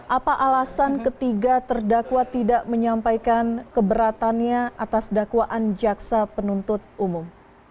apa alasan ketiga terdakwa tidak menyampaikan keberatannya atas dakwaan jaksa penuntut umum